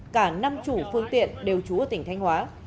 cả năm chủ phương tiện đều trú ở tỉnh thanh hóa